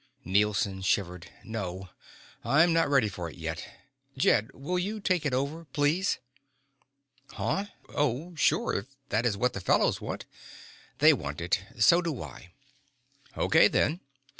Nielson shivered. "No. I'm not ready for it yet. Jed, will you take it over, please?" "Huh? Oh, sure, if that is what the fellows want." "They want it. So do I." "Okay then."